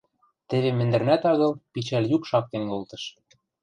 Теве мӹндӹрнӓт агыл пичӓл юк шактен колтыш.